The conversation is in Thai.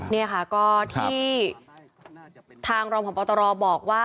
นี่ค่ะก็ที่ทางรองผ่วงประวัตรรอบอกว่า